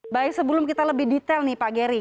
baik sebelum kita lebih detail nih pak geri